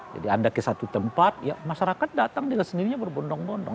jadi anda ke satu tempat ya masyarakat datang dengan sendirinya berbondong bondong